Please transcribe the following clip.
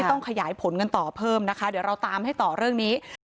ต้องขยายผลกันต่อเพิ่มนะคะเดี๋ยวเราตามให้ต่อเรื่องนี้